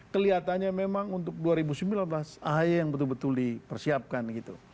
kelihatannya memang untuk dua ribu sembilan belas ahy yang betul betul dipersiapkan gitu